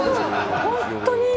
本当に。